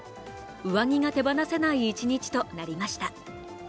上着が手放せない一日となりました。